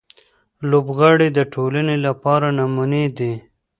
لوبغاړي د ټولنې لپاره نمونې دي.